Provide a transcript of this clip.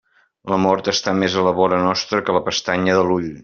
La mort està més a la vora nostra que la pestanya de l'ull.